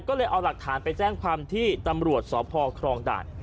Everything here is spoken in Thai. ก็เลยเอาหลักฐานไปแจ้งความที่ตำรวจสพครองด่าน